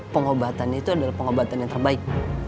pengobatan itu adalah pengobatan yang terbaik